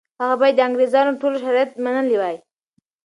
هغه باید د انګریزانو ټول شرایط منلي وای.